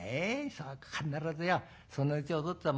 そうか必ずよそのうちおとっつぁん